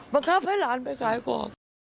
บังคับให้หลานไปขายของ